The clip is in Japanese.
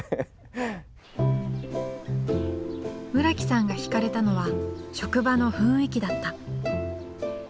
村木さんがひかれたのは職場の雰囲気だった。